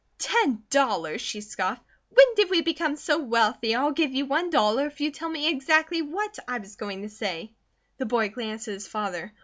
"Ten dollars!" she scoffed. "When did we become so wealthy? I'll give you one dollar if you tell me exactly what I was going to say." The boy glanced at his father.